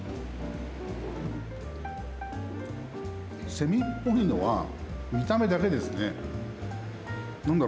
セミっぽいのは見た目だけですね。